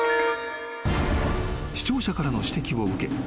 ［視聴者からの指摘を受け